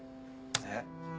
えっ？